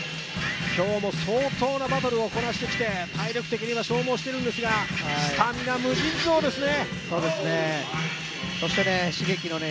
今日も相当なバトルをこなしてきて体力的には消耗しているんですがスタミナ、無尽蔵ですね。